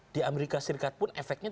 di amerika serikat pun efeknya tidak sebegitu